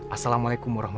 assalamualaikum wr wb